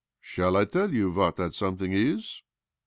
' Shall I tell you what that something is